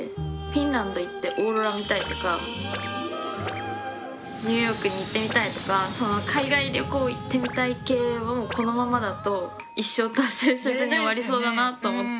フィンランド行ってオーロラ見たいとかニューヨークに行ってみたいとか海外旅行行ってみたい系をこのままだと一生達成せずに終わりそうだなと思って。